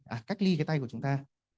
à cách ly cái tay của chúng ta